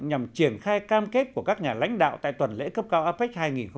nhằm triển khai cam kết của các nhà lãnh đạo tại tuần lễ cấp cao apec hai nghìn hai mươi